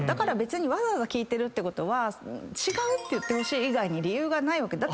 わざわざ聞いてるってことは違うって言ってほしい以外に理由がないわけ。